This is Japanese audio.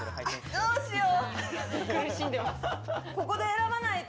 どうしよう。